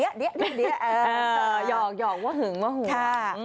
หยอกว่าหึงเหมือนหัว